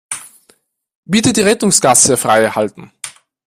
Bitte die Rettungsgasse freihalten.